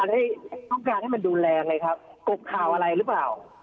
ต้องการให้มันดูแลเลยครับกบข่าวอะไรรึเปล่า